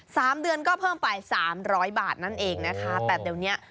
สามเดือนก็เพิ่มไปสามร้อยบาทนั่นเองนะคะแต่เดี๋ยวเนี้ย